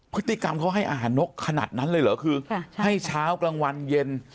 พฤติกรรมเขาให้อาหารนกขนาดนั้นเลยเหรอคือให้เช้ากลางวันเย็น